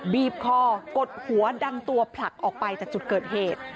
บีบคอกดหัวดันตัวผลักออกไปจากจุดเกิดเหตุ